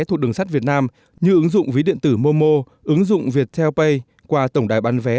thuộc đường sắt việt nam như ứng dụng ví điện tử momo ứng dụng viettel pay qua tổng đài bán vé